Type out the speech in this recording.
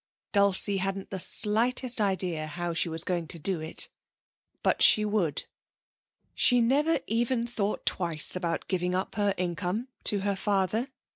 Dulcie hadn't the slightest idea how she was going to do it, but she would. She never even thought twice about giving up her income to her father.